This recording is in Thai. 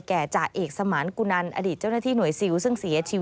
จ่าเอกสมานกุนันอดีตเจ้าหน้าที่หน่วยซิลซึ่งเสียชีวิต